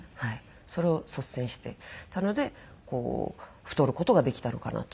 それを率先してたので太る事ができたのかなと。